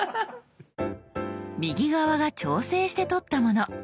右側が調整して撮ったもの。